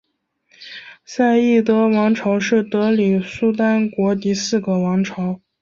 赛义德王朝是德里苏丹国第四个王朝。